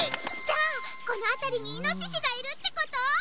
じゃあこのあたりにイノシシがいるってこと？